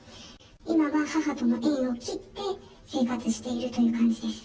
今は母との縁を切って生活しているという感じです。